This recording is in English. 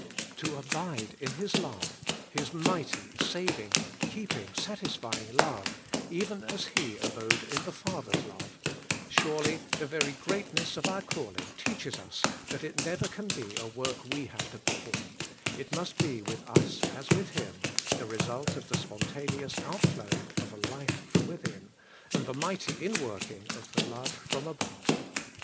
To abide in His love. His mighty, saving, keeping, satis fying love, even as He abode in the Father's love, — surely the very greatness of our calling teaches us that it never can be a work we have to perform ; it must be with us as with Him, the result of the spontaneous outflowing of a life from within, and the mighty in working of the love from above.